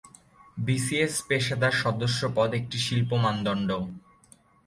BCS পেশাদার সদস্যপদ একটি শিল্প মানদণ্ড।